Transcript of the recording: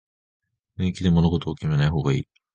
雰囲気で物事を決めない方がいい